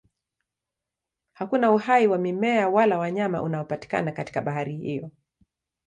Hakuna uhai wa mimea wala wanyama unaopatikana katika bahari hiyo.